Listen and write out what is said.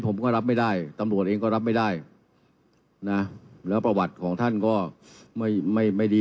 ผมก็รับไม่ได้ตำรวจเองก็รับไม่ได้นะแล้วประวัติของท่านก็ไม่ไม่ดี